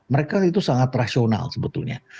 mereka itu sangat rasional sebetulnya